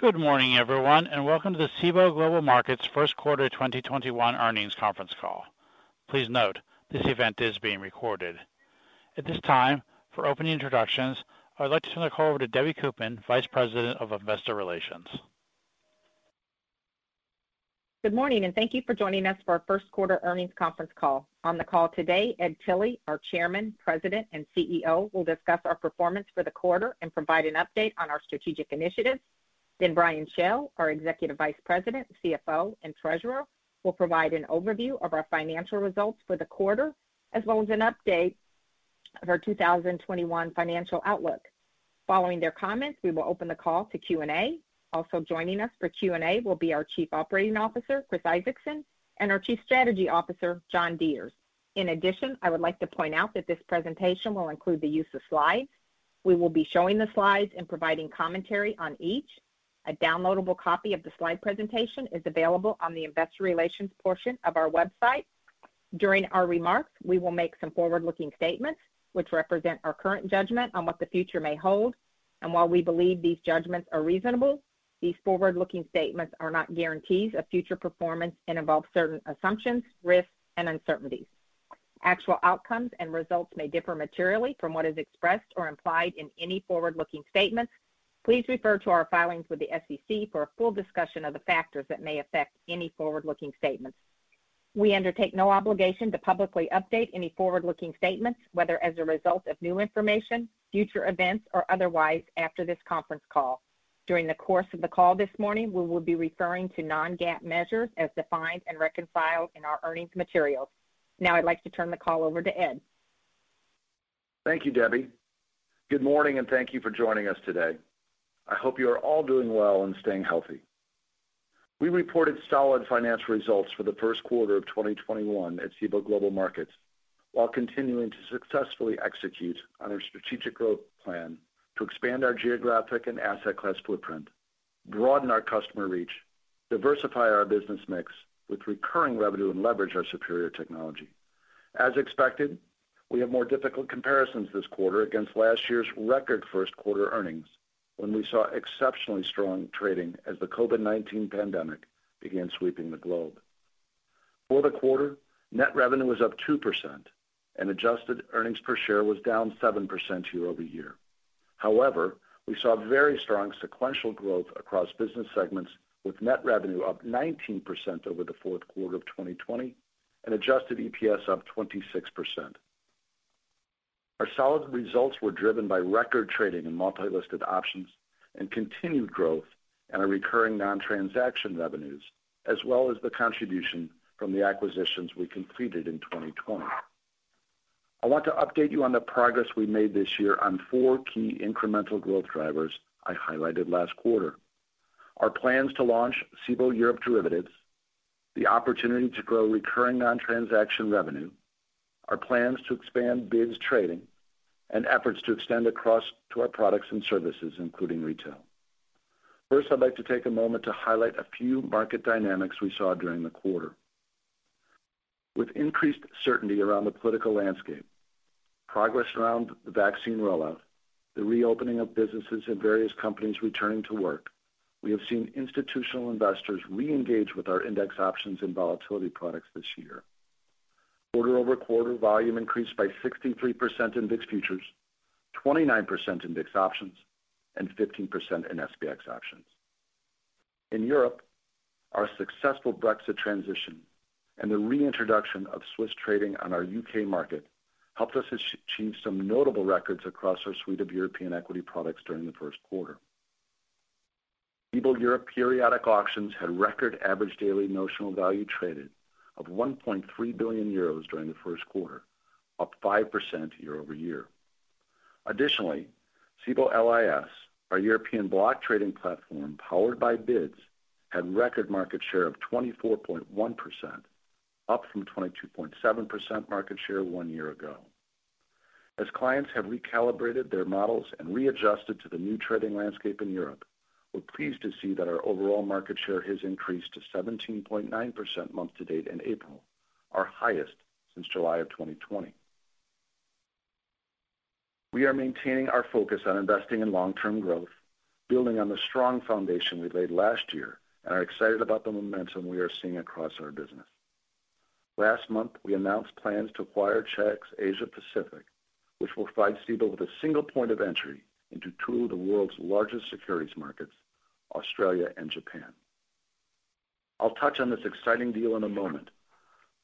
Good morning, everyone, and welcome to the Cboe Global Markets first quarter 2021 earnings conference call. Please note, this event is being recorded. At this time, for opening introductions, I would like to turn the call over to Deborah Koopman, Vice President of Investor Relations. Good morning, and thank you for joining us for our first quarter earnings conference call. On the call today, Edward Tilly, our Chairman, President and Chief Executive Officer, will discuss our performance for the quarter and provide an update on our strategic initiatives. Brian Schell, our Executive Vice President, CFO and Treasurer, will provide an overview of our financial results for the quarter, as well as an update of our 2021 financial outlook. Following their comments, we will open the call to Q&A. Joining us for Q&A will be our Chief Operating Officer, Chris Isaacson, and our Chief Strategy Officer, John Deters. I would like to point out that this presentation will include the use of slides. We will be showing the slides and providing commentary on each. A downloadable copy of the slide presentation is available on the investor relations portion of our website. During our remarks, we will make some forward-looking statements which represent our current judgment on what the future may hold. And while we believe these judgments are reasonable, these forward-looking statements are not guarantees of future performance and involve certain assumptions, risks, and uncertainties. Actual outcomes and results may differ materially from what is expressed or implied in any forward-looking statements. Please refer to our filings with the SEC for a full discussion of the factors that may affect any forward-looking statements. We undertake no obligation to publicly update any forward-looking statements, whether as a result of new information, future events, or otherwise after this conference call. During the course of the call this morning, we will be referring to non-GAAP measures as defined and reconciled in our earnings materials. Now I'd like to turn the call over to Ed. Thank you, Debbie. Good morning, thank you for joining us today. I hope you are all doing well and staying healthy. We reported solid financial results for the first quarter of 2021 at Cboe Global Markets while continuing to successfully execute on our strategic growth plan to expand our geographic and asset class footprint, broaden our customer reach, diversify our business mix with recurring revenue, and leverage our superior technology. As expected, we have more difficult comparisons this quarter against last year's record first quarter earnings, when we saw exceptionally strong trading as the COVID-19 pandemic began sweeping the globe. For the quarter, net revenue was up 2% and adjusted earnings per share was down 7% year-over-year. We saw very strong sequential growth across business segments, with net revenue up 19% over the fourth quarter of 2020 and adjusted EPS up 26%. Our solid results were driven by record trading in multi-listed options and continued growth in our recurring non-transaction revenues, as well as the contribution from the acquisitions we completed in 2020. I want to update you on the progress we made this year on four key incremental growth drivers I highlighted last quarter. Our plans to launch Cboe Europe Derivatives, the opportunity to grow recurring non-transaction revenue, our plans to expand BIDS Trading, and efforts to extend across to our products and services, including retail. First, I'd like to take a moment to highlight a few market dynamics we saw during the quarter. With increased certainty around the political landscape, progress around the vaccine rollout, the reopening of businesses, and various companies returning to work, we have seen institutional investors reengage with our Index options and volatility products this year. Quarter-over-quarter volume increased by 63% in VIX futures, 29% in VIX options, and 15% in SPX options. In Europe, our successful Brexit transition and the reintroduction of Swiss trading on our U.K. market helped us achieve some notable records across our suite of European equity products during the first quarter. Cboe Europe Periodic Auctions had record average daily notional value traded of 1.3 billion euros during the first quarter, up 5% year-over-year. Cboe LIS, our European block trading platform powered by BIDS, had record market share of 24.1%, up from 22.7% market share one year ago. As clients have recalibrated their models and readjusted to the new trading landscape in Europe, we're pleased to see that our overall market share has increased to 17.9% month-to-date in April, our highest since July of 2020. We are maintaining our focus on investing in long-term growth, building on the strong foundation we laid last year, and are excited about the momentum we are seeing across our business. Last month, we announced plans to acquire Chi-X Asia Pacific, which will provide Cboe with a single point of entry into two of the world's largest securities markets, Australia and Japan. I'll touch on this exciting deal in a moment,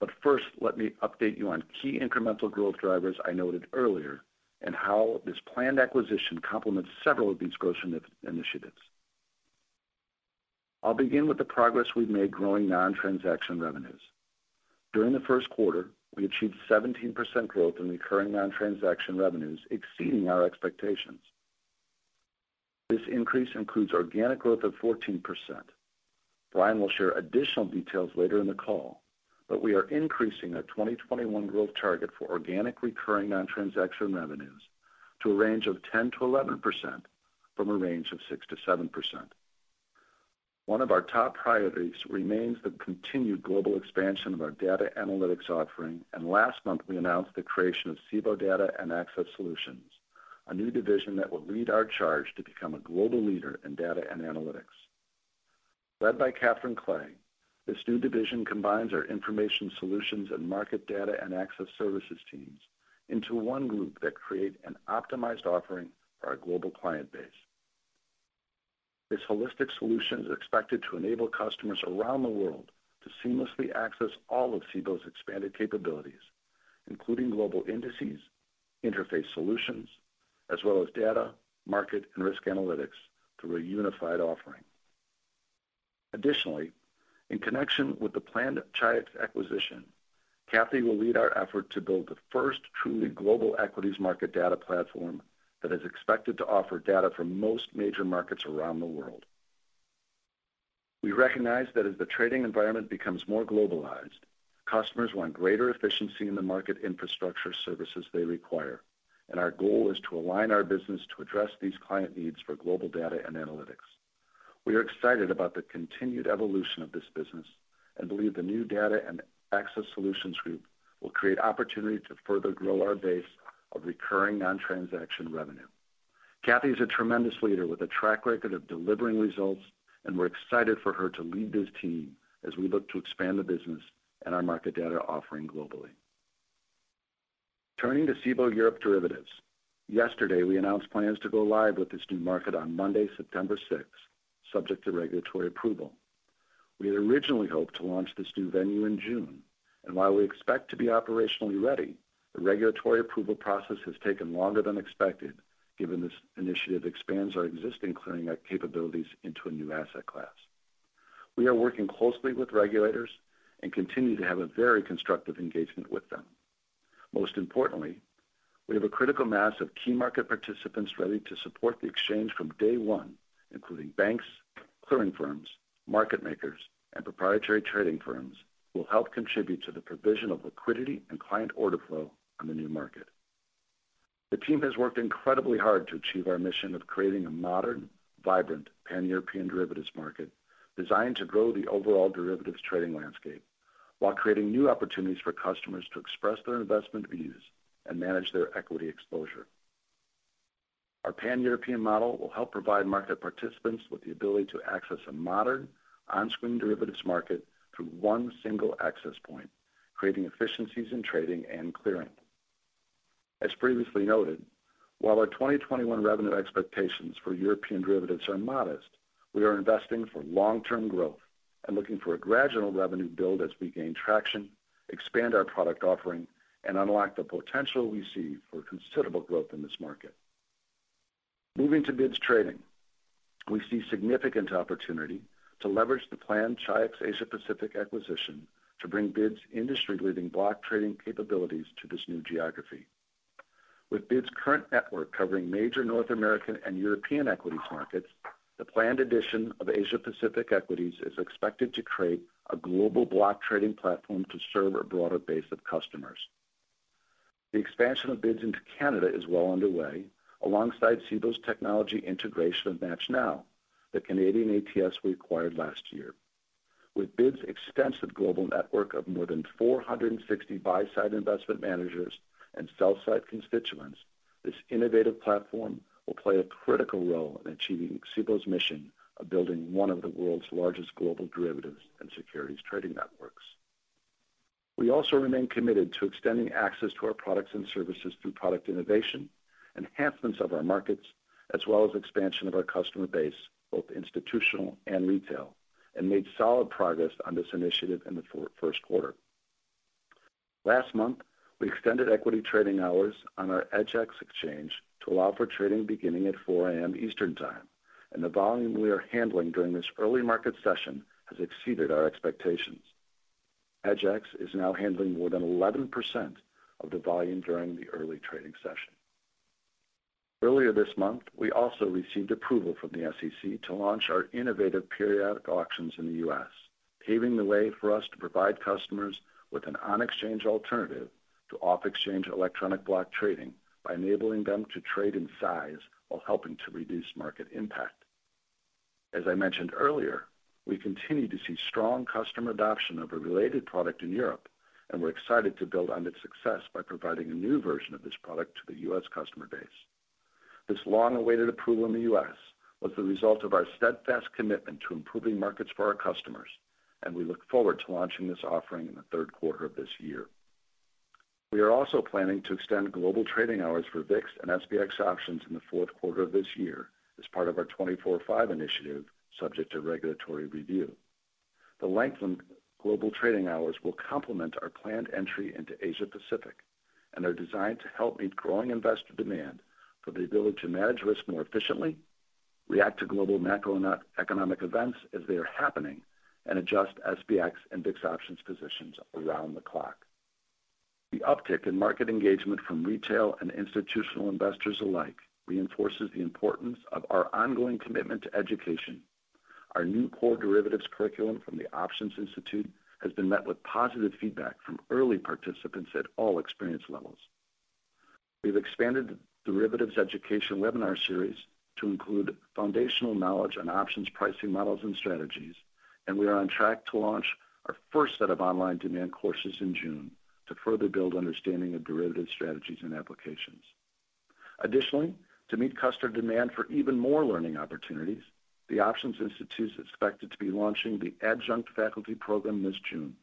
but first let me update you on key incremental growth drivers I noted earlier and how this planned acquisition complements several of these growth initiatives. I'll begin with the progress we've made growing non-transaction revenues. During the first quarter, we achieved 17% growth in recurring non-transaction revenues, exceeding our expectations. This increase includes organic growth of 14%. Brian will share additional details later in the call, but we are increasing our 2021 growth target for organic recurring non-transaction revenues to a range of 10%-11% from a range of 6%-7%. One of our top priorities remains the continued global expansion of our data analytics offering, and last month we announced the creation of Cboe Data and Access Solutions, a new division that will lead our charge to become a global leader in data and analytics. Led by Catherine Clay, this new division combines our information solutions and market data and access services teams into one group that create an optimized offering for our global client base. This holistic solution is expected to enable customers around the world to seamlessly access all of Cboe's expanded capabilities, including global indices, interface solutions, as well as data, market, and risk analytics through a unified offering. In connection with the planned Chi-X acquisition, Cathy will lead our effort to build the first truly global equities market data platform that is expected to offer data for most major markets around the world. We recognize that as the trading environment becomes more globalized, customers want greater efficiency in the market infrastructure services they require, and our goal is to align our business to address these client needs for global data and analytics. We are excited about the continued evolution of this business and believe the new Data and Access Solutions group will create opportunity to further grow our base of recurring non-transaction revenue. Cathy is a tremendous leader with a track record of delivering results, and we're excited for her to lead this team as we look to expand the business and our market data offering globally. Turning to Cboe Europe derivatives. Yesterday, we announced plans to go live with this new market on Monday, September 6th, subject to regulatory approval. We had originally hoped to launch this new venue in June, and while we expect to be operationally ready, the regulatory approval process has taken longer than expected given this initiative expands our existing clearing capabilities into a new asset class. We are working closely with regulators and continue to have a very constructive engagement with them. Most importantly, we have a critical mass of key market participants ready to support the exchange from day one, including banks, clearing firms, market makers, and proprietary trading firms, who will help contribute to the provision of liquidity and client order flow on the new market. The team has worked incredibly hard to achieve our mission of creating a modern, vibrant, pan-European derivatives market designed to grow the overall derivatives trading landscape while creating new opportunities for customers to express their investment views and manage their equity exposure. Our pan-European model will help provide market participants with the ability to access a modern on-screen derivatives market through one single access point, creating efficiencies in trading and clearing. As previously noted, while our 2021 revenue expectations for European derivatives are modest, we are investing for long-term growth and looking for a gradual revenue build as we gain traction, expand our product offering, and unlock the potential we see for considerable growth in this market. Moving to BIDS Trading. We see significant opportunity to leverage the planned Chi-X Asia Pacific acquisition to bring BIDS' industry-leading block trading capabilities to this new geography. With BIDS' current network covering major North American and European equities markets, the planned addition of Asia Pacific equities is expected to create a global block trading platform to serve a broader base of customers. The expansion of BIDS into Canada is well underway, alongside Cboe's technology integration of MATCHNow, the Canadian ATS we acquired last year. With BIDS' extensive global network of more than 460 buy-side investment managers and sell-side constituents, this innovative platform will play a critical role in achieving Cboe's mission of building one of the world's largest global derivatives and securities trading networks. We also remain committed to extending access to our products and services through product innovation, enhancements of our markets, as well as expansion of our customer base, both institutional and retail, and made solid progress on this initiative in the first quarter. Last month, we extended equity trading hours on our EDGX exchange to allow for trading beginning at 4:00 A.M. Eastern Time. The volume we are handling during this early market session has exceeded our expectations. EDGX is now handling more than 11% of the volume during the early trading session. Earlier this month, we also received approval from the SEC to launch our innovative periodic auctions in the U.S., paving the way for us to provide customers with an on-exchange alternative to off-exchange electronic block trading by enabling them to trade in size while helping to reduce market impact. As I mentioned earlier, we continue to see strong customer adoption of a related product in Europe. We're excited to build on its success by providing a new version of this product to the U.S. customer base. This long-awaited approval in the U.S. was the result of our steadfast commitment to improving markets for our customers, and we look forward to launching this offering in the third quarter of this year. We are also planning to extend global trading hours for VIX and SPX options in the fourth quarter of this year as part of our 24/5 Initiative, subject to regulatory review. The lengthened global trading hours will complement our planned entry into Asia Pacific and are designed to help meet growing investor demand for the ability to manage risk more efficiently, react to global macroeconomic events as they are happening, and adjust SPX and VIX options positions around the clock. The uptick in market engagement from retail and institutional investors alike reinforces the importance of our ongoing commitment to education. Our new core derivatives curriculum from The Options Institute has been met with positive feedback from early participants at all experience levels. We've expanded derivatives education webinar series to include foundational knowledge on options, pricing, models, and strategies, and we are on track to launch our first set of online demand courses in June to further build understanding of derivative strategies and applications. Additionally, to meet customer demand for even more learning opportunities, The Options Institute is expected to be launching the Adjunct Faculty Program this June.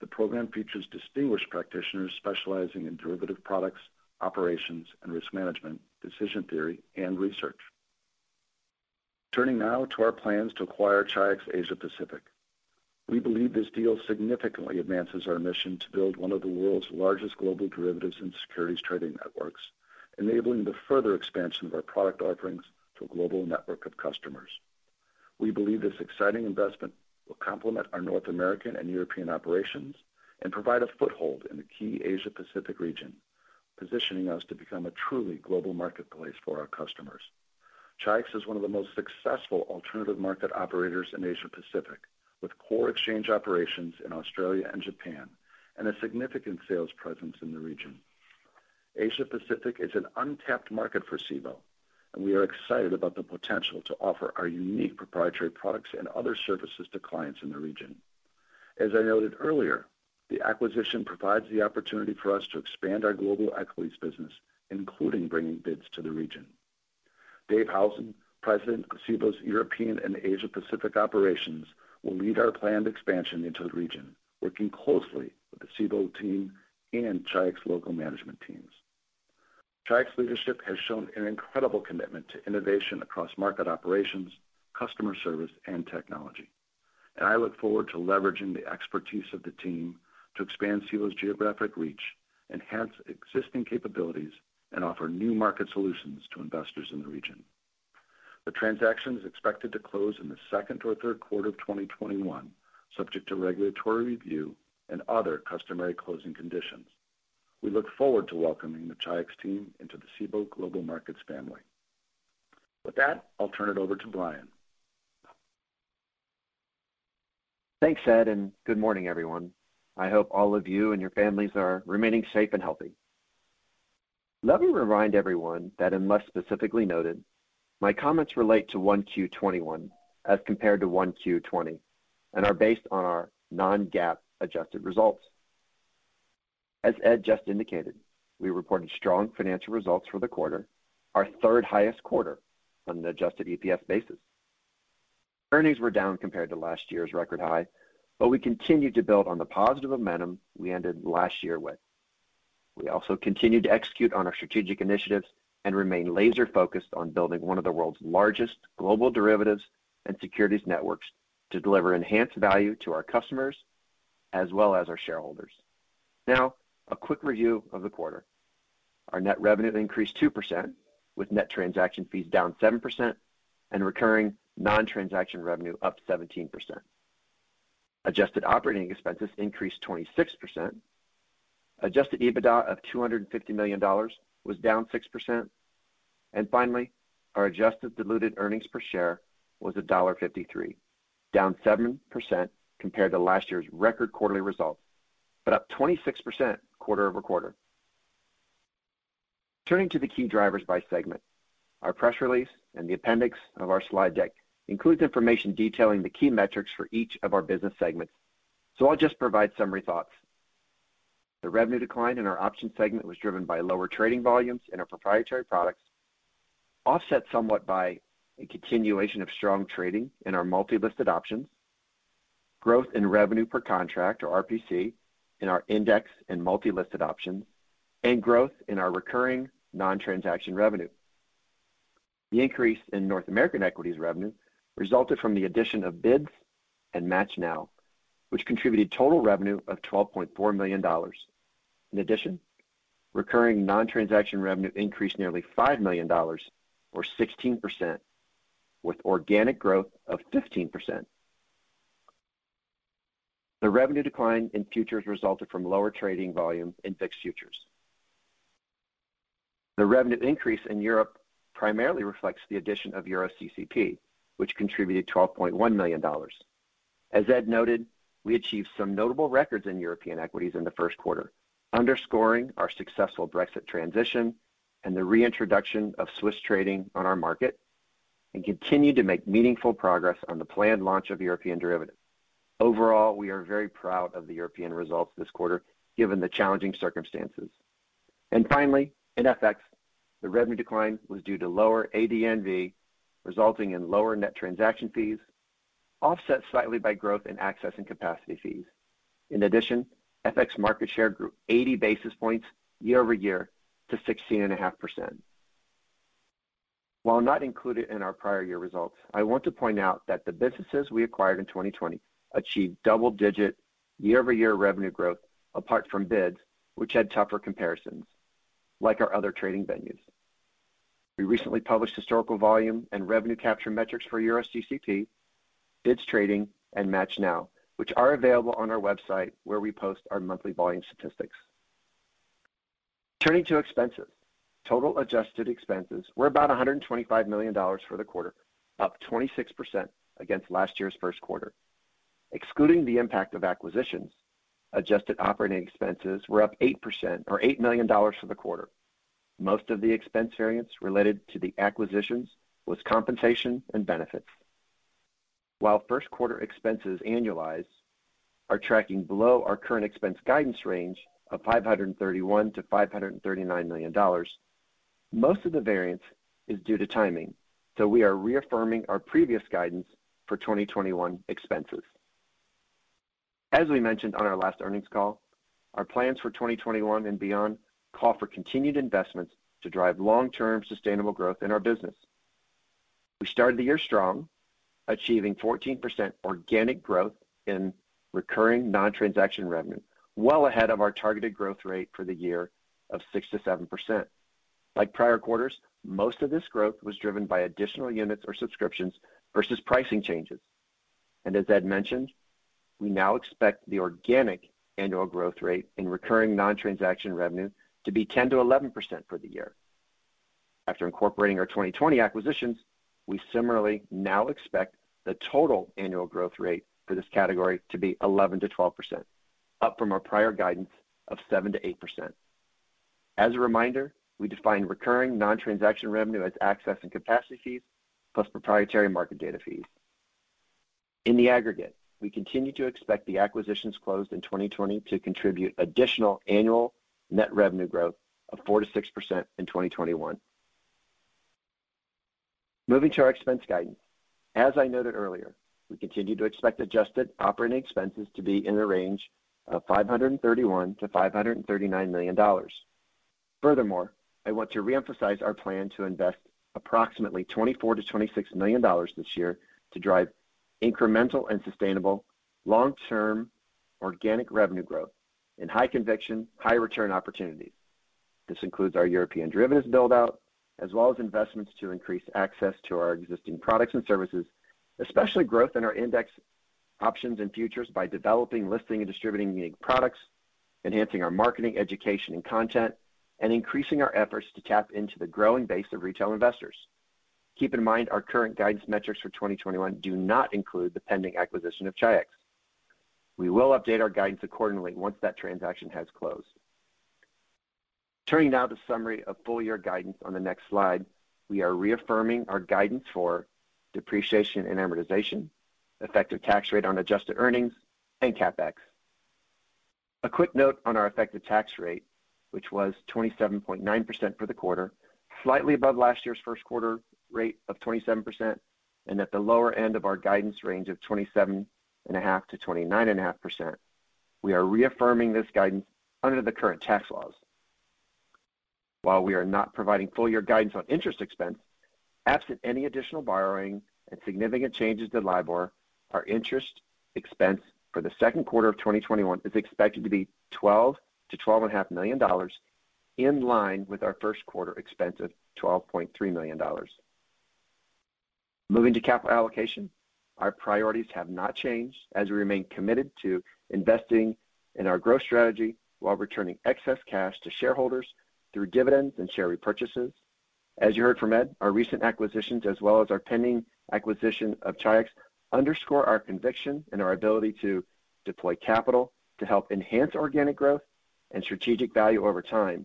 The program features distinguished practitioners specializing in derivative products, operations, and risk management, decision theory, and research. Turning now to our plans to acquire Chi-X Asia Pacific. We believe this deal significantly advances our mission to build one of the world's largest global derivatives and securities trading networks, enabling the further expansion of our product offerings to a global network of customers. We believe this exciting investment will complement our North American and European operations and provide a foothold in the key Asia Pacific region, positioning us to become a truly global marketplace for our customers. Chi-X is one of the most successful alternative market operators in Asia Pacific, with core exchange operations in Australia and Japan, and a significant sales presence in the region. Asia Pacific is an untapped market for Cboe, and we are excited about the potential to offer our unique proprietary products and other services to clients in the region. As I noted earlier, the acquisition provides the opportunity for us to expand our global equities business, including bringing BIDS to the region. Dave Howson, President of Cboe European and Asia Pacific operations, will lead our planned expansion into the region, working closely with the Cboe team and Chi-X local management teams. Chi-X leadership has shown an incredible commitment to innovation across market operations, customer service, and technology. I look forward to leveraging the expertise of the team to expand Cboe's geographic reach, enhance existing capabilities, and offer new market solutions to investors in the region. The transaction is expected to close in the second or third quarter of 2021, subject to regulatory review and other customary closing conditions. We look forward to welcoming the Chi-X team into the Cboe Global Markets family. With that, I'll turn it over to Brian Schell. Thanks, Ed. Good morning, everyone. I hope all of you and your families are remaining safe and healthy. Let me remind everyone that unless specifically noted, my comments relate to 1Q21 as compared to 1Q20 and are based on our non-GAAP adjusted results. As Ed just indicated, we reported strong financial results for the quarter, our third highest quarter on an adjusted EPS basis. Earnings were down compared to last year's record high, we continued to build on the positive momentum we ended last year with. We also continued to execute on our strategic initiatives and remain laser-focused on building one of the world's largest global derivatives and securities networks to deliver enhanced value to our customers as well as our shareholders. Now, a quick review of the quarter. Our net revenue increased 2%, with net transaction fees down 7% and recurring non-transaction revenue up 17%. Adjusted operating expenses increased 26%. Adjusted EBITDA of $250 million was down 6%. Finally, our adjusted diluted earnings per share was $1.53, down 7% compared to last year's record quarterly results, but up 26% quarter-over-quarter. Turning to the key drivers by segment. Our press release and the appendix of our slide deck includes information detailing the key metrics for each of our business segments. I'll just provide summary thoughts. The revenue decline in our options segment was driven by lower trading volumes in our proprietary products, offset somewhat by a continuation of strong trading in our multi-listed options, growth in revenue per contract or RPC in our Index and multi-listed options, and growth in our recurring non-transaction revenue. The increase in North American equities revenue resulted from the addition of BIDS and MATCHNow, which contributed total revenue of $12.4 million. In addition, recurring non-transaction revenue increased nearly $5 million, or 16%, with organic growth of 15%. The revenue decline in futures resulted from lower trading volume in VIX futures. The revenue increase in Europe primarily reflects the addition of EuroCCP, which contributed $12.1 million. As Ed noted, we achieved some notable records in European equities in the first quarter, underscoring our successful Brexit transition and the reintroduction of Swiss trading on our market, and continued to make meaningful progress on the planned launch of European derivatives. Overall, we are very proud of the European results this quarter, given the challenging circumstances. Finally, in FX, the revenue decline was due to lower ADNV, resulting in lower net transaction fees, offset slightly by growth in access and capacity fees. In addition, FX market share grew 80 basis points year-over-year to 16.5%. While not included in our prior year results, I want to point out that the businesses we acquired in 2020 achieved double-digit year-over-year revenue growth apart from BIDS, which had tougher comparisons like our other trading venues. We recently published historical volume and revenue capture metrics for EuroCCP, BIDS Trading, and MATCHNow, which are available on our website where we post our monthly volume statistics. Turning to expenses. Total adjusted expenses were about $125 million for the quarter, up 26% against last year's first quarter. Excluding the impact of acquisitions, adjusted operating expenses were up 8% or $8 million for the quarter. Most of the expense variance related to the acquisitions was compensation and benefits. While first quarter expenses annualized are tracking below our current expense guidance range of $531 million-$539 million, most of the variance is due to timing, so we are reaffirming our previous guidance for 2021 expenses. As we mentioned on our last earnings call, our plans for 2021 and beyond call for continued investments to drive long-term sustainable growth in our business. We started the year strong, achieving 14% organic growth in recurring non-transaction revenue, well ahead of our targeted growth rate for the year of 6%-7%. Like prior quarters, most of this growth was driven by additional units or subscriptions versus pricing changes. As Ed mentioned, we now expect the organic annual growth rate in recurring non-transaction revenue to be 10%-11% for the year. After incorporating our 2020 acquisitions, we similarly now expect the total annual growth rate for this category to be 11%-12%, up from our prior guidance of 7%-8%. As a reminder, we define recurring non-transaction revenue as access and capacity fees, plus proprietary market data fees. In the aggregate, we continue to expect the acquisitions closed in 2020 to contribute additional annual net revenue growth of 4%-6% in 2021. Moving to our expense guidance. As I noted earlier, we continue to expect adjusted operating expenses to be in the range of $531 million-$539 million. Furthermore, I want to reemphasize our plan to invest approximately $24 million-$26 million this year to drive incremental and sustainable long-term organic revenue growth in high conviction, high return opportunities. This includes our European derivatives build-out, as well as investments to increase access to our existing products and services, especially growth in our Index options and futures by developing, listing, and distributing unique products, enhancing our marketing, education, and content, and increasing our efforts to tap into the growing base of retail investors. Keep in mind, our current guidance metrics for 2021 do not include the pending acquisition of Chi-X. We will update our guidance accordingly once that transaction has closed. Turning now to summary of full year guidance on the next slide. We are reaffirming our guidance for depreciation and amortization, effective tax rate on adjusted earnings, and CapEx. A quick note on our effective tax rate, which was 27.9% for the quarter, slightly above last year's first quarter rate of 27%, and at the lower end of our guidance range of 27.5%-29.5%. We are reaffirming this guidance under the current tax laws. While we are not providing full year guidance on interest expense, absent any additional borrowing and significant changes to LIBOR, our interest expense for the second quarter of 2021 is expected to be $12 million-$12.5 million, in line with our first quarter expense of $12.3 million. Moving to capital allocation. Our priorities have not changed, as we remain committed to investing in our growth strategy while returning excess cash to shareholders through dividends and share repurchases. As you heard from Ed, our recent acquisitions, as well as our pending acquisition of Chi-X, underscore our conviction and our ability to deploy capital to help enhance organic growth and strategic value over time,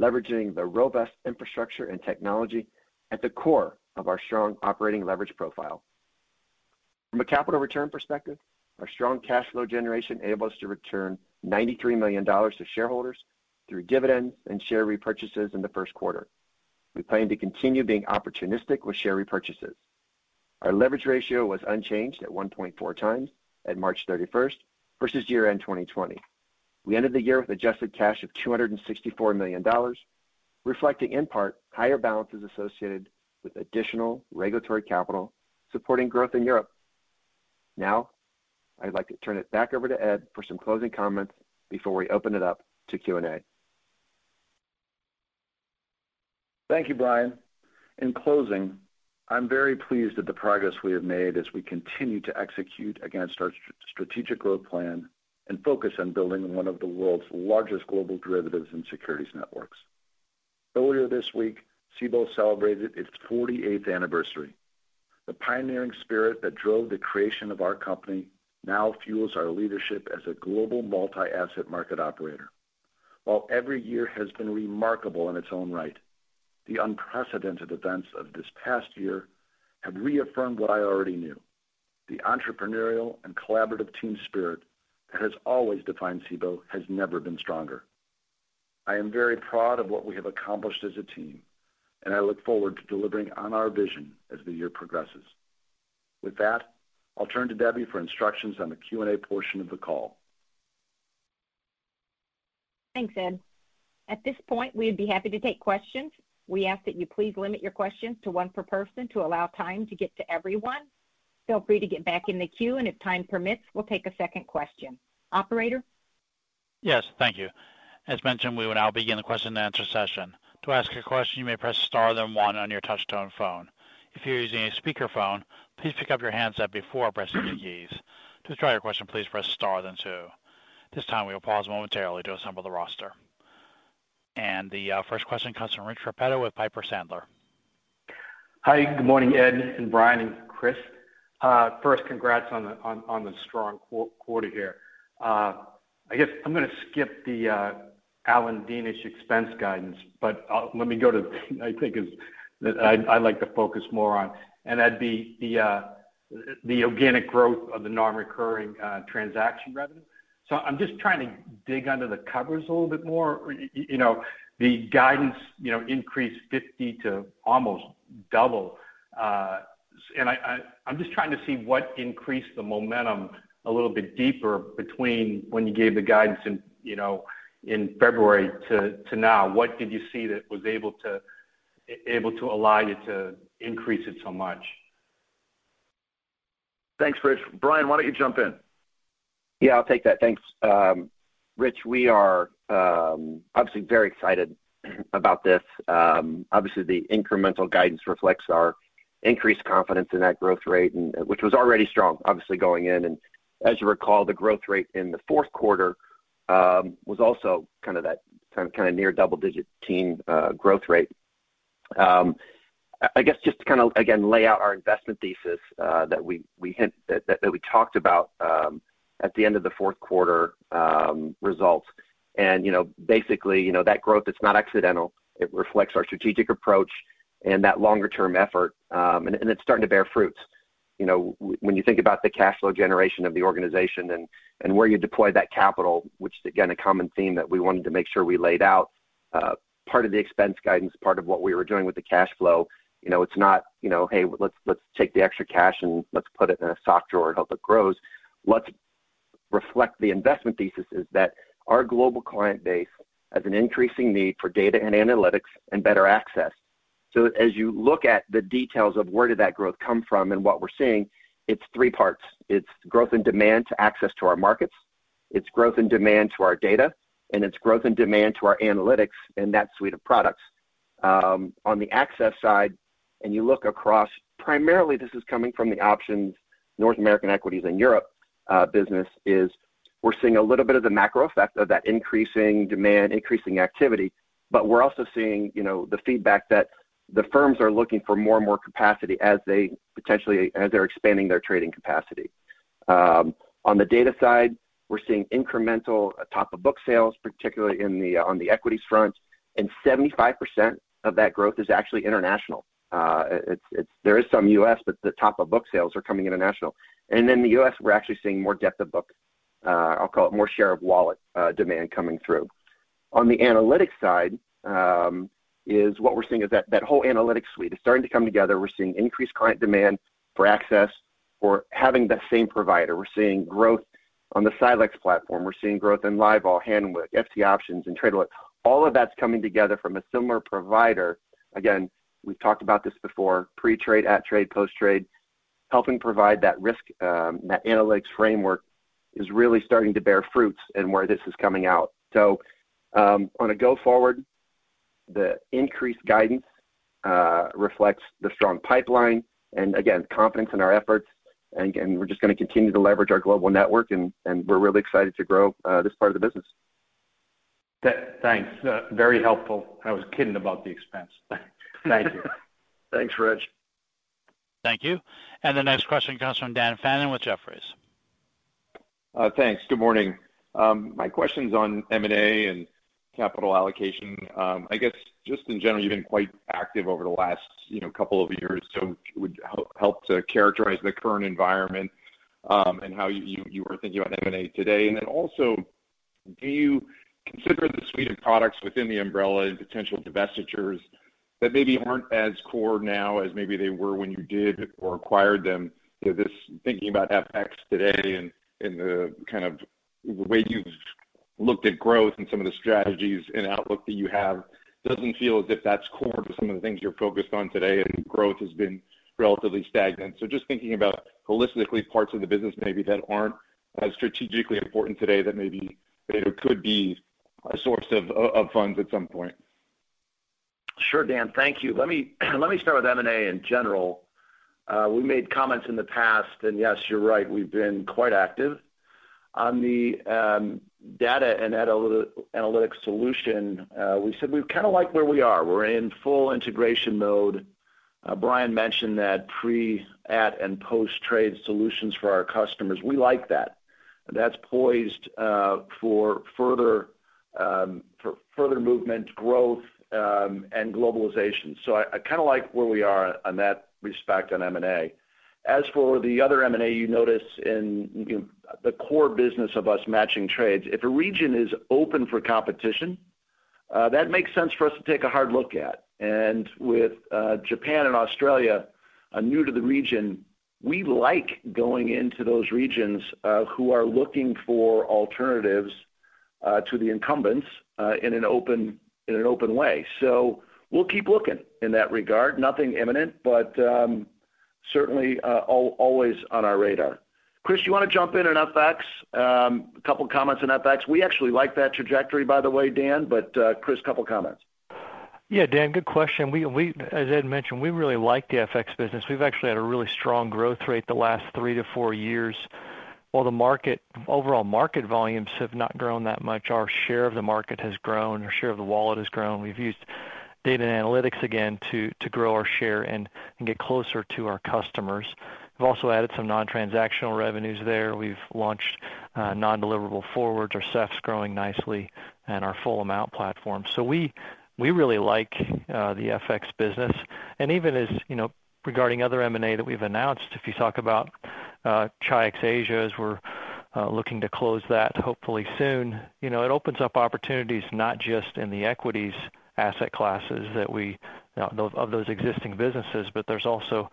leveraging the robust infrastructure and technology at the core of our strong operating leverage profile. From a capital return perspective, our strong cash flow generation enable us to return $93 million to shareholders through dividends and share repurchases in the first quarter. We plan to continue being opportunistic with share repurchases. Our leverage ratio was unchanged at 1.4x at March 31st versus year-end 2020. We ended the year with adjusted cash of $264 million, reflecting, in part, higher balances associated with additional regulatory capital supporting growth in Europe. Now, I'd like to turn it back over to Ed for some closing comments before we open it up to Q&A. Thank you, Brian. In closing, I'm very pleased with the progress we have made as we continue to execute against our strategic growth plan and focus on building one of the world's largest global derivatives and securities networks. Earlier this week, Cboe celebrated its 48th anniversary. The pioneering spirit that drove the creation of our company now fuels our leadership as a global multi-asset market operator. While every year has been remarkable in its own right, the unprecedented events of this past year have reaffirmed what I already knew. The entrepreneurial and collaborative team spirit that has always defined Cboe has never been stronger. I am very proud of what we have accomplished as a team, and I look forward to delivering on our vision as the year progresses. With that, I'll turn to Debbie for instructions on the Q&A portion of the call. Thanks, Ed. At this point, we'd be happy to take questions. We ask that you please limit your questions to one per person to allow time to get to everyone. Feel free to get back in the queue, and if time permits, we'll take a second question. Operator? Yes. Thank you. As mentioned, we will now begin the question and answer session. To ask a question, you may press star one on your touchtone phone. If you're using a speakerphone, please pick up your handset before pressing any keys. To withdraw your question, please press star two. At this time, we will pause momentarily to assemble the roster. The first question comes from Rich Repetto with Piper Sandler. Hi, good morning, Ed and Brian and Chris. First, congrats on the strong quarter here. I guess I'm going to skip the Alan Deanish expense guidance, but let me go to what I think that I'd like to focus more on, and that'd be the organic growth of the non-recurring transaction revenue. I'm just trying to dig under the covers a little bit more. The guidance increased 50 to almost double. I'm just trying to see what increased the momentum a little bit deeper between when you gave the guidance in February to now. What did you see that was able to allow you to increase it so much? Thanks, Rich. Brian, why don't you jump in? Yeah, I'll take that. Thanks. Rich, we are obviously very excited about this. Obviously, the incremental guidance reflects our increased confidence in that growth rate, which was already strong, obviously, going in. As you recall, the growth rate in the fourth quarter was also that kind of near double-digit teen growth rate. I guess just to kind of, again, lay out our investment thesis that we talked about at the end of the fourth quarter results. Basically, that growth it's not accidental. It reflects our strategic approach and that longer-term effort, and it's starting to bear fruits. When you think about the cash flow generation of the organization and where you deploy that capital, which, again, a common theme that we wanted to make sure we laid out, part of the expense guidance, part of what we were doing with the cash flow. It's not, "Hey, let's take the extra cash and let's put it in a sock drawer and hope it grows." Let's reflect the investment thesis is that our global client base has an increasing need for data and analytics and better access. As you look at the details of where did that growth come from and what we're seeing, it's three parts. It's growth and demand to access to our markets, it's growth and demand to our data, and it's growth and demand to our analytics and that suite of products. On the access side, and you look across, primarily this is coming from the options North American equities and Europe business is we're seeing a little bit of the macro effect of that increasing demand, increasing activity. We're also seeing the feedback that the firms are looking for more and more capacity as they're expanding their trading capacity. On the data side, we're seeing incremental top of book sales, particularly on the equities front. 75% of that growth is actually international. There is some U.S., but the top of book sales are coming international. In the U.S., we're actually seeing more depth of book. I'll call it more share of wallet demand coming through. On the analytics side, is what we're seeing is that that whole analytics suite is starting to come together. We're seeing increased client demand for access for having that same provider. We're seeing growth on the Silexx platform. We're seeing growth in LiveVol, Hanweck, FT Options, and Trade Alert. All of that's coming together from a similar provider. Again, we've talked about this before, pre-trade, at trade, post-trade. Helping provide that risk, that analytics framework is really starting to bear fruits in where this is coming out. On a go forward, the increased guidance reflects the strong pipeline and, again, confidence in our efforts. We're just going to continue to leverage our global network, and we're really excited to grow this part of the business. Thanks. Very helpful. I was kidding about the expense. Thank you. Thanks, Rich. Thank you. The next question comes from Dan Fannon with Jefferies. Thanks. Good morning. My question's on M&A and capital allocation. I guess, just in general, you've been quite active over the last couple of years. Would help to characterize the current environment, and how you are thinking about M&A today. Do you consider the suite of products within the umbrella and potential divestitures that maybe aren't as core now as maybe they were when you did or acquired them? Because thinking about FX today and the kind of way you've looked at growth and some of the strategies and outlook that you have doesn't feel as if that's core to some of the things you're focused on today, and growth has been relatively stagnant. Just thinking about holistically parts of the business maybe that aren't as strategically important today that maybe could be a source of funds at some point. Sure, Dan. Thank you. Let me start with M&A in general. We made comments in the past, yes, you're right, we've been quite active. On the data and analytics solution, we said we kind of like where we are. We're in full integration mode. Brian mentioned that pre, at, and post-trade solutions for our customers. We like that. That's poised for further movement, growth, and globalization. I kind of like where we are on that respect on M&A. As for the other M&A, you notice in the core business of us matching trades, if a region is open for competition, that makes sense for us to take a hard look at. With Japan and Australia, new to the region, we like going into those regions who are looking for alternatives to the incumbents in an open way. We'll keep looking in that regard. Nothing imminent, certainly, always on our radar. Chris, you want to jump in on FX? A couple of comments on FX. We actually like that trajectory, by the way, Dan. Chris, couple of comments. Yeah, Dan, good question. As Ed mentioned, we really like the FX business. We've actually had a really strong growth rate the last three to four years. While the overall market volumes have not grown that much, our share of the market has grown, our share of the wallet has grown. We've used data and analytics again to grow our share and get closer to our customers. We've also added some non-transactional revenues there. We've launched non-deliverable forwards. Our SEF's growing nicely and our Full Amount platform. We really like the FX business. Even regarding other M&A that we've announced, if you talk about Chi-X Asia, as we're looking to close that hopefully soon, it opens up opportunities not just in the equities asset classes of those existing businesses, but there's also,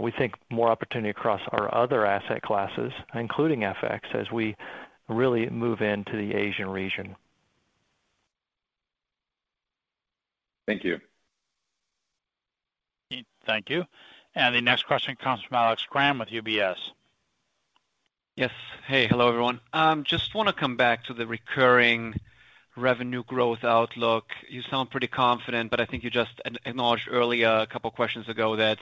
we think, more opportunity across our other asset classes, including FX, as we really move into the Asian region. Thank you. Thank you. The next question comes from Alex Kramm with UBS. Yes. Hey. Hello, everyone. Just want to come back to the recurring revenue growth outlook. I think you just acknowledged earlier, a couple of questions ago, that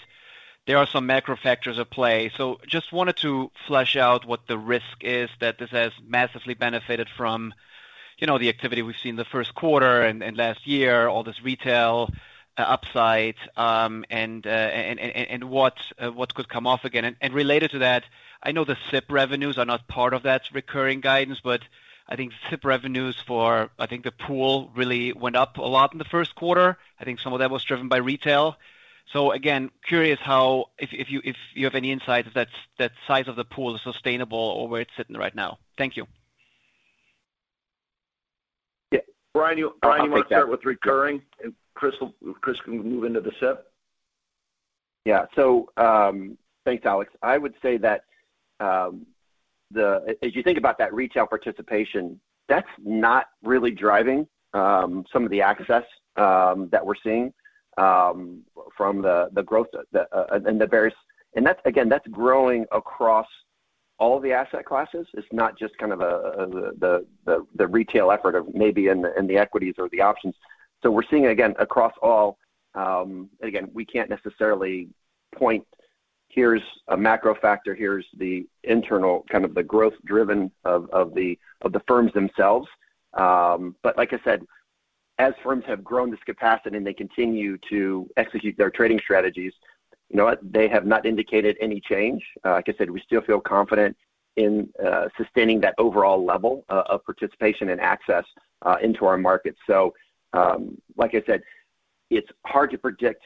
there are some macro factors at play. Just wanted to flesh out what the risk is that this has massively benefited from the activity we've seen the first quarter and last year, all this retail upside, and what could come off again. Related to that, I know the SIP revenues are not part of that recurring guidance. I think SIP revenues for, I think the pool really went up a lot in the first quarter. I think some of that was driven by retail. Again, curious if you have any insights if that size of the pool is sustainable or where it's sitting right now. Thank you. Yeah. Brian, you want to start with recurring, and Chris can move into the SIP. Yeah. Thanks, Alex. I would say that as you think about that retail participation, that's not really driving some of the access that we're seeing from the growth. Again, that's growing across all the asset classes. It's not just the retail effort of maybe in the equities or the options. We're seeing, again, across all. Again, we can't necessarily point, here's a macro factor, here's the internal kind of the growth-driven of the firms themselves. Like I said, as firms have grown this capacity and they continue to execute their trading strategies, they have not indicated any change. Like I said, we still feel confident in sustaining that overall level of participation and access into our market. Like I said, it's hard to predict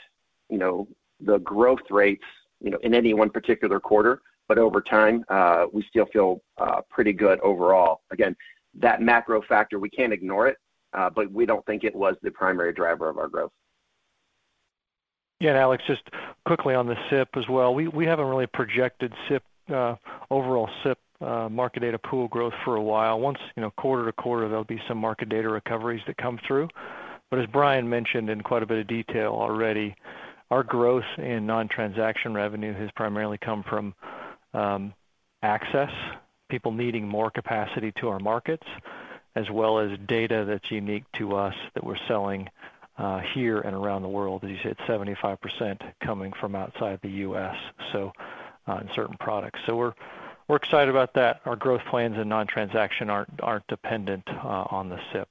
the growth rates in any one particular quarter, but over time, we still feel pretty good overall. Again, that macro factor, we can't ignore it, but we don't think it was the primary driver of our growth. Yeah. Alex, just quickly on the SIP as well. We haven't really projected overall SIP market data pool growth for a while. Quarter to quarter, there'll be some market data recoveries that come through. As Brian mentioned in quite a bit of detail already, our growth in non-transaction revenue has primarily come from access, people needing more capacity to our markets, as well as data that's unique to us that we're selling here and around the world. As you said, 75% coming from outside the U.S., so in certain products. We're excited about that. Our growth plans and non-transaction aren't dependent on the SIP.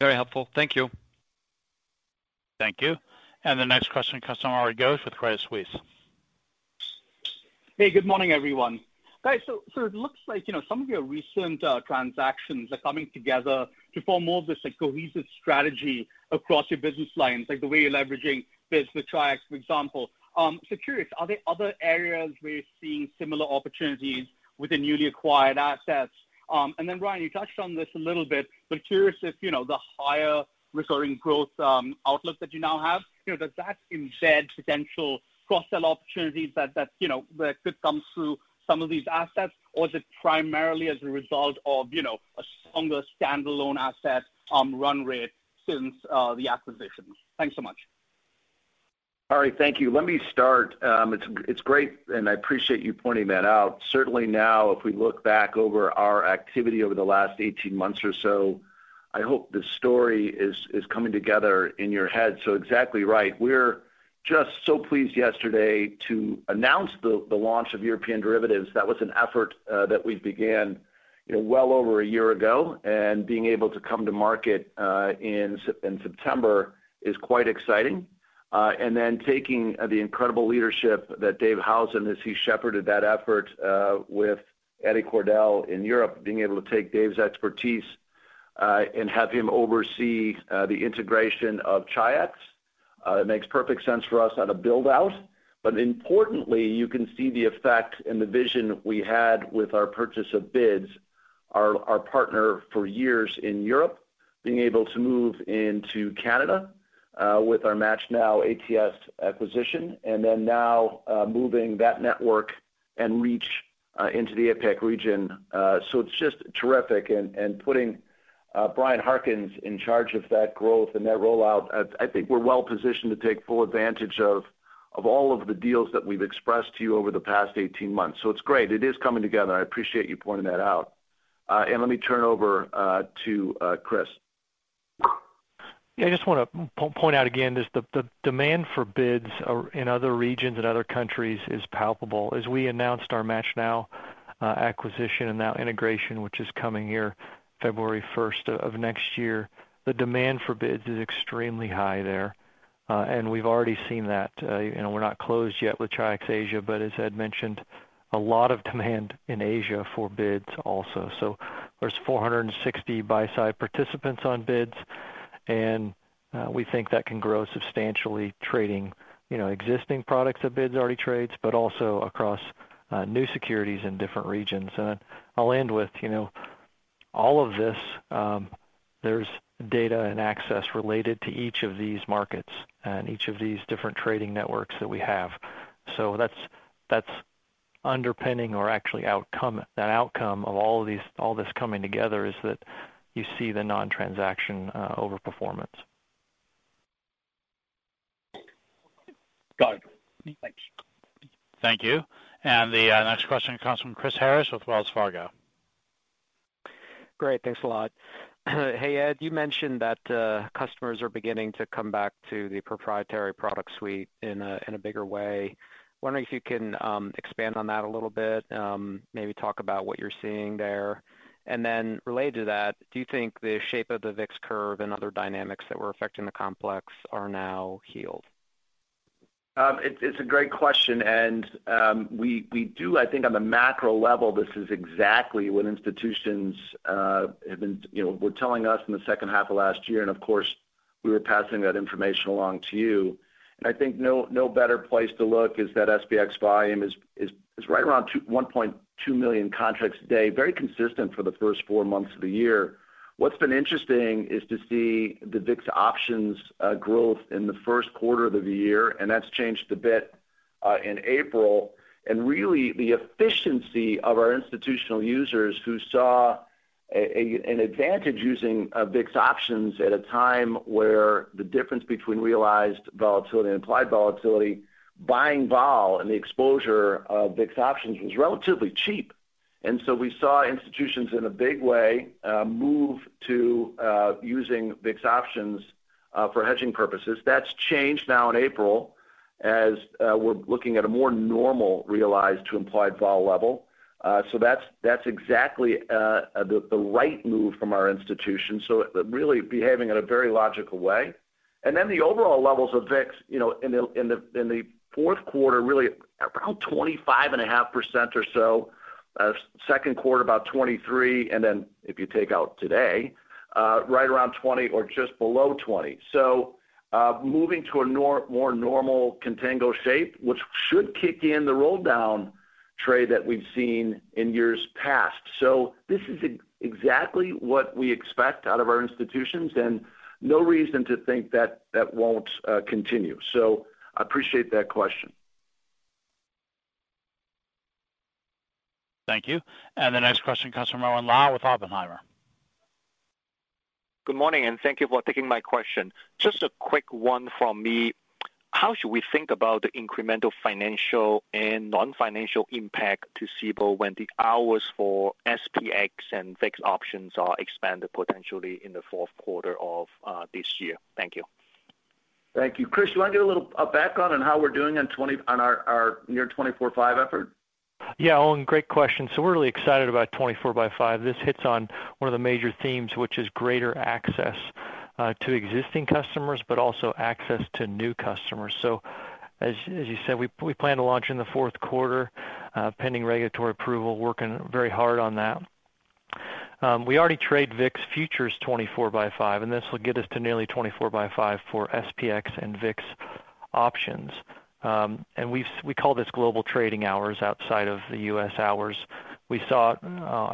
Very helpful. Thank you. Thank you. The next question comes from Gautam Sawant with Credit Suisse. Hey, good morning, everyone. Guys, it looks like some of your recent transactions are coming together to form more of this cohesive strategy across your business lines, like the way you're leveraging BIDS with Chi-X, for example. Curious, are there other areas where you're seeing similar opportunities with the newly acquired assets? Brian, you touched on this a little bit, curious if the higher recurring growth outlook that you now have, does that embed potential cross-sell opportunities that could come through some of these assets? Or is it primarily as a result of a stronger standalone asset run rate since the acquisition? Thanks so much. Gautam, thank you. Let me start. It's great. I appreciate you pointing that out. Certainly now, if we look back over our activity over the last 18 months or so, I hope the story is coming together in your head. Exactly right. We're just so pleased yesterday to announce the launch of European derivatives. That was an effort that we began well over one year ago, and being able to come to market in September is quite exciting. Taking the incredible leadership that Dave Howson, as he shepherded that effort with Ade Cordell in Europe, being able to take Dave's expertise and have him oversee the integration of Chi-X. It makes perfect sense for us on a build-out. Importantly, you can see the effect and the vision we had with our purchase of BIDS, our partner for years in Europe, being able to move into Canada, with our MATCHNow ATS acquisition, and then now moving that network and reach into the APAC region. It's just terrific, and putting Bryan Harkins in charge of that growth and that rollout, I think we're well-positioned to take full advantage of all of the deals that we've expressed to you over the past 18 months. It's great. It is coming together. I appreciate you pointing that out. Let me turn over to Chris. I just want to point out again is the demand for BIDS in other regions and other countries is palpable. We announced our MATCHNow acquisition and now integration, which is coming here February 1st of next year, the demand for BIDS is extremely high there, and we've already seen that. We're not closed yet with Chi-X Asia, as Ed mentioned, a lot of demand in Asia for BIDS also. There's 460 buy-side participants on BIDS, and we think that can grow substantially trading existing products that BIDS already trades, also across new securities in different regions. I'll end with all of this, there's data and access related to each of these markets and each of these different trading networks that we have. That's underpinning or actually outcome. That outcome of all this coming together is that you see the non-transaction over performance. Got it. Thanks. Thank you. The next question comes from Chris Harris with Wells Fargo. Great. Thanks a lot. Hey, Ed, you mentioned that customers are beginning to come back to the proprietary product suite in a bigger way. Wondering if you can expand on that a little bit, maybe talk about what you're seeing there. Related to that, do you think the shape of the VIX curve and other dynamics that were affecting the complex are now healed? It's a great question. We do I think on the macro level, this is exactly what institutions were telling us in the second half of last year. Of course, we were passing that information along to you. I think no better place to look is that SPX volume is right around 1.2 million contracts a day, very consistent for the first four months of the year. What's been interesting is to see the VIX options growth in the first quarter of the year, that's changed a bit, in April. Really, the efficiency of our institutional users who saw an advantage using VIX options at a time where the difference between realized volatility and implied volatility, buying vol and the exposure of VIX options was relatively cheap. We saw institutions in a big way, move to using VIX options for hedging purposes. That's changed now in April as we're looking at a more normal realized to implied vol level. That's exactly the right move from our institution, so really behaving in a very logical way. The overall levels of VIX in the fourth quarter, really around 25.5% or so. Second quarter about 23%. If you take out today, right around 20% or just below 20%. Moving to a more normal contango shape, which should kick in the roll down trade that we've seen in years past. This is exactly what we expect out of our institutions, and no reason to think that that won't continue. I appreciate that question. Thank you. The next question comes from Owen Lau with Oppenheimer. Good morning. Thank you for taking my question. Just a quick one from me. How should we think about the incremental financial and non-financial impact to Cboe when the hours for SPX and VIX options are expanded potentially in the fourth quarter of this year? Thank you. Thank you. Chris, you want to give a little background on how we're doing on our near 24/5 effort? Yeah, Owen, great question. We're really excited about 24/5. This hits on one of the major themes, which is greater access to existing customers, but also access to new customers. As you said, we plan to launch in the fourth quarter, pending regulatory approval, working very hard on that. We already trade VIX futures 24/5, this will get us to nearly 24/5 for SPX and VIX options. We call this global trading hours outside of the U.S. hours. We saw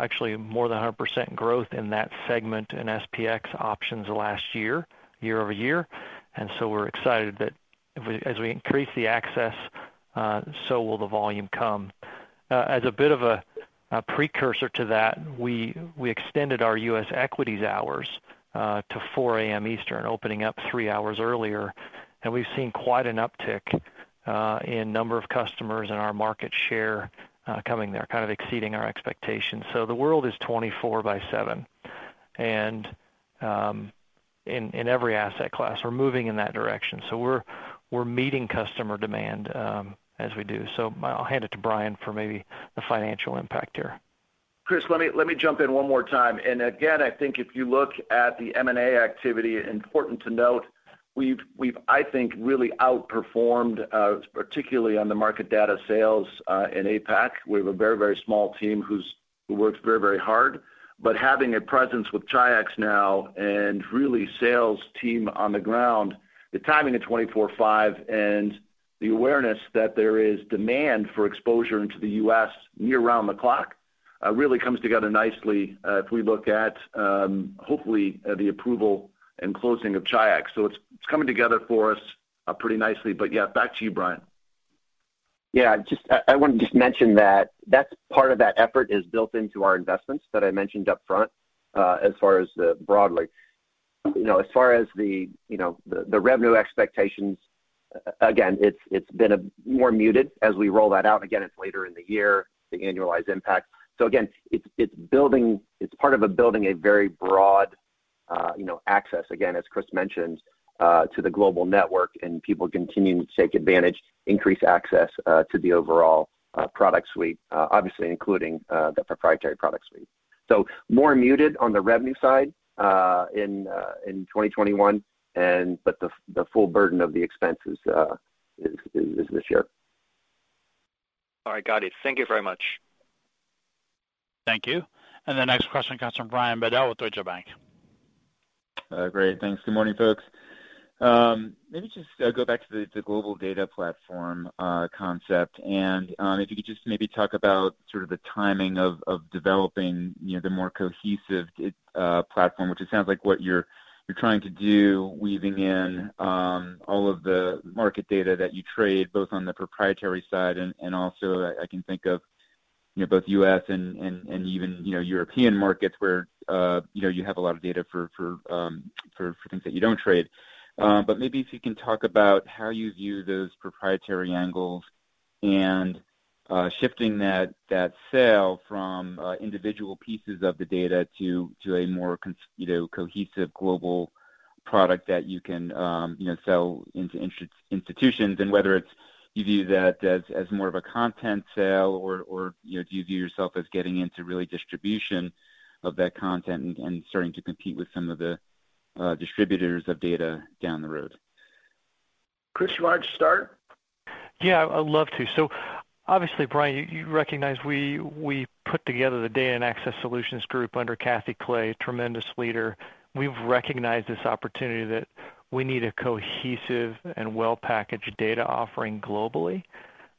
actually more than 100% growth in that segment in SPX options last year-over-year. We're excited that as we increase the access, so will the volume come. As a bit of a precursor to that, we extended our U.S. equities hours to 4:00 A.M. Eastern, opening up three hours earlier. We've seen quite an uptick in number of customers and our market share coming there, kind of exceeding our expectations. The world is 24/7 and in every asset class, we're moving in that direction. We're meeting customer demand as we do. I'll hand it to Brian for maybe the financial impact here. Chris, let me jump in one more time. Again, I think if you look at the M&A activity, important to note, we've, I think, really outperformed, particularly on the market data sales, in APAC. We have a very, very small team who works very, very hard. Having a presence with Chi-X now and really sales team on the ground, the timing of 24/5 and the awareness that there is demand for exposure into the U.S. year round the clock, really comes together nicely, if we look at, hopefully, the approval and closing of Chi-X. It's coming together for us pretty nicely. Yeah, back to you, Brian. Yeah, I want to just mention that that's part of that effort is built into our investments that I mentioned upfront. Again, it's been more muted as we roll that out. Again, it's later in the year, the annualized impact. Again, it's part of building a very broad access, again, as Chris mentioned, to the global network, and people continuing to take advantage, increase access to the overall product suite, obviously including the proprietary product suite. More muted on the revenue side in 2021, but the full burden of the expense is this year. All right. Got it. Thank you very much. Thank you. The next question comes from Brian Bedell with Deutsche Bank. Great. Thanks. Good morning, folks. Maybe just go back to the global data platform concept. If you could just maybe talk about sort of the timing of developing the more cohesive data platform, which it sounds like what you're trying to do, weaving in all of the market data that you trade, both on the proprietary side and also I can think of both U.S. and even European markets where you have a lot of data for things that you don't trade. Maybe if you can talk about how you view those proprietary angles and shifting that sale from individual pieces of the data to a more cohesive global product that you can sell into institutions, and whether you view that as more of a content sale or do you view yourself as getting into really distribution of that content and starting to compete with some of the distributors of data down the road? Chris, you want to start? Yeah, I'd love to. Obviously, Brian, you recognize we put together the Data and Access Solutions group under Catherine Clay, a tremendous leader. We've recognized this opportunity that we need a cohesive and well-packaged data offering globally,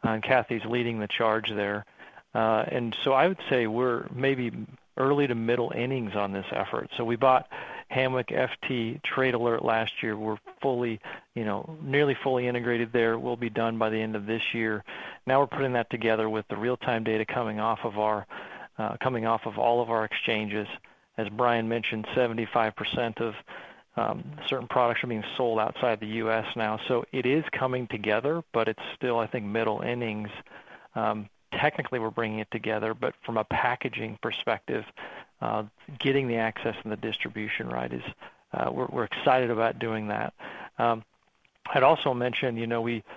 and Cathy's leading the charge there. I would say we're maybe early to middle innings on this effort. We bought Hanweck FT Options Trade Alert last year. We're nearly fully integrated there. We'll be done by the end of this year. Now we're putting that together with the real-time data coming off of all of our exchanges. As Brian mentioned, 75% of certain products are being sold outside the U.S. now. It is coming together, but it's still, I think, middle innings. Technically, we're bringing it together, but from a packaging perspective, getting the access and the distribution right. We're excited about doing that. I'd also mention, the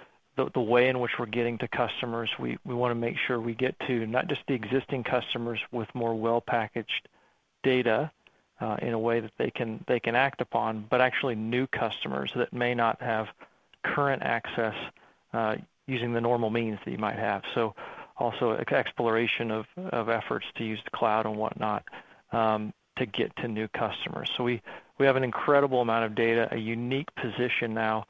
way in which we're getting to customers, we want to make sure we get to not just the existing customers with more well-packaged data in a way that they can act upon, but actually new customers that may not have current access using the normal means that you might have. Also exploration of efforts to use the cloud and whatnot, to get to new customers. We have an incredible amount of data, a unique position now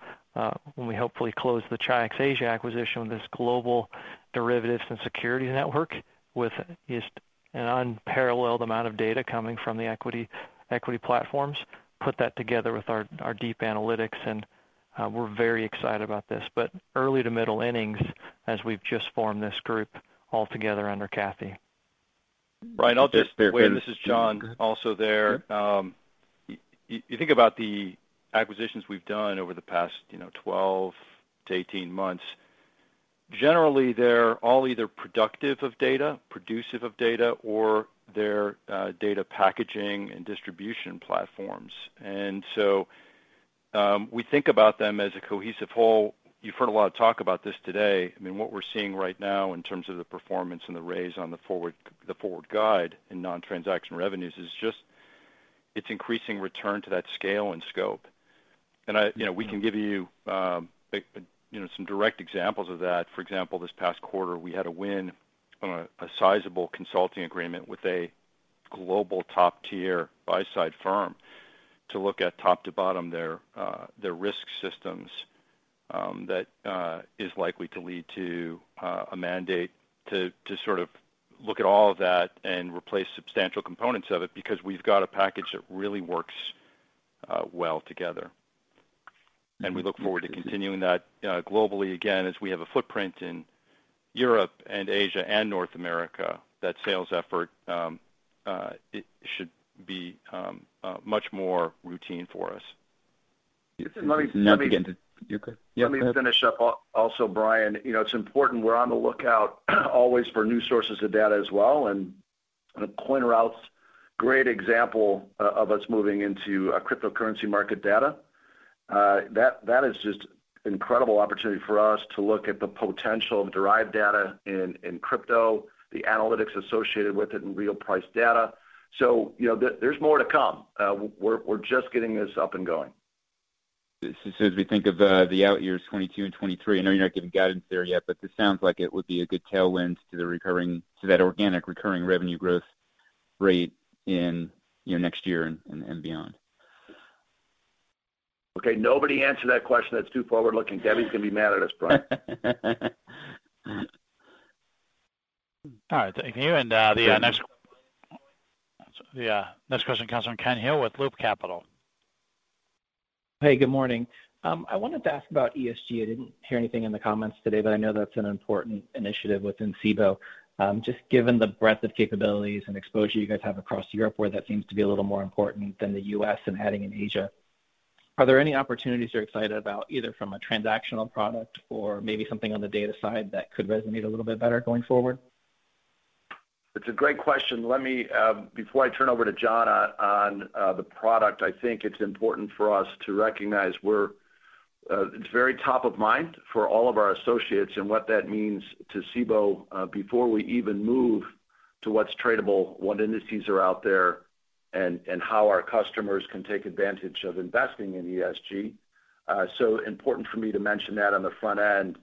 when we hopefully close the Chi-X Asia acquisition with this global derivatives and security network with just an unparalleled amount of data coming from the equity platforms. Put that together with our deep analytics, and we're very excited about this. Early to middle innings as we've just formed this group all together under Cathy. Brian, Just bear. This is John also there. Sure. You think about the acquisitions we've done over the past 12-18 months. Generally, they're all either productive of data, producible data, or they're data packaging and distribution platforms. We think about them as a cohesive whole. You've heard a lot of talk about this today. I mean, what we're seeing right now in terms of the performance and the raise on the forward guide in non-transaction revenues is just, it's increasing return to that scale and scope. We can give you some direct examples of that. For example, this past quarter, we had a win on a sizable consulting agreement with a global top-tier buy-side firm to look at top to bottom their risk systems that is likely to lead to a mandate to sort of look at all of that and replace substantial components of it, because we've got a package that really works well together. We look forward to continuing that globally again, as we have a footprint in Europe and Asia and North America. That sales effort should be much more routine for us. Let me- You're good. Let me finish up also, Brian. It's important, we're on the lookout always for new sources of data as well. To CoinRoute's great example of us moving into cryptocurrency market data. That is just incredible opportunity for us to look at the potential of derived data in crypto, the analytics associated with it, and real price data. There's more to come. We're just getting this up and going. As we think of the out years 2022 and 2023, I know you're not giving guidance there yet, but this sounds like it would be a good tailwind to that organic recurring revenue growth rate in next year and beyond. Okay, nobody answer that question. That's too forward-looking. Debbie's going to be mad at us, Brian. All right. Thank you. The next question comes from Ken Hill with Loop Capital. Hey, good morning. I wanted to ask about ESG. I didn't hear anything in the comments today, but I know that's an important initiative within Cboe. Just given the breadth of capabilities and exposure you guys have across Europe, where that seems to be a little more important than the U.S. and heading in Asia. Are there any opportunities you're excited about, either from a transactional product or maybe something on the data side that could resonate a little bit better going forward? It's a great question. Before I turn over to John on the product, I think it's important for us to recognize it's very top of mind for all of our associates and what that means to Cboe before we even move to what's tradable, what indices are out there, and how our customers can take advantage of investing in ESG. Important for me to mention that on the front end.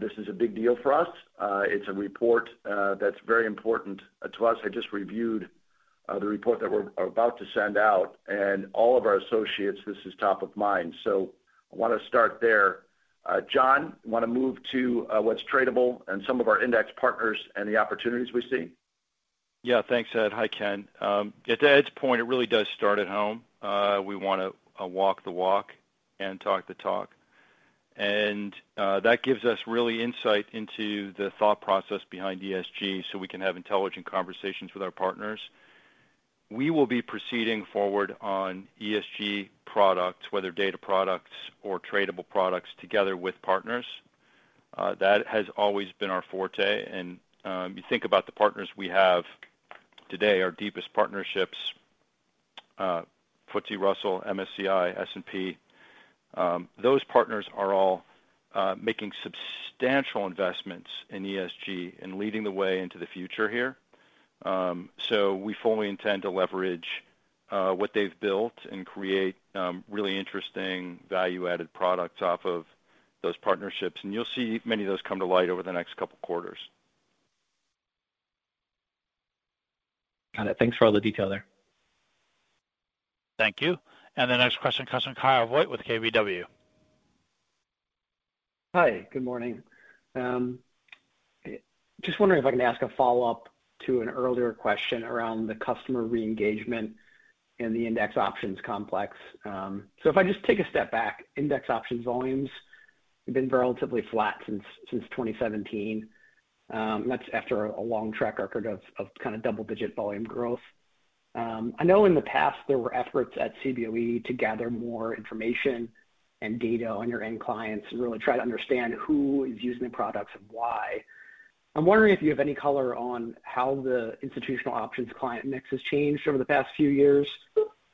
This is a big deal for us. It's a report that's very important to us. I just reviewed the report that we're about to send out, and all of our associates, this is top of mind. I want to start there. John, want to move to what's tradable and some of our Index partners and the opportunities we see? Yeah, thanks, Ed. Hi, Ken. To Ed's point, it really does start at home. We want to walk the walk and talk the talk. That gives us really insight into the thought process behind ESG so we can have intelligent conversations with our partners. We will be proceeding forward on ESG products, whether data products or tradable products, together with partners. That has always been our forte. You think about the partners we have today, our deepest partnerships, FTSE Russell, MSCI, S&P. Those partners are all making substantial investments in ESG and leading the way into the future here. We fully intend to leverage what they've built and create really interesting value-added products off of those partnerships, and you'll see many of those come to light over the next couple of quarters. Got it. Thanks for all the detail there. Thank you. The next question comes from Kyle Voigt with KBW. Hi, good morning. Just wondering if I can ask a follow-up to an earlier question around the customer re-engagement in the Index options complex. If I just take a step back, Index options volumes have been relatively flat since 2017. That's after a long track record of kind of double-digit volume growth. I know in the past there were efforts at Cboe to gather more information and data on your end clients to really try to understand who is using the products and why. I'm wondering if you have any color on how the institutional options client mix has changed over the past few years,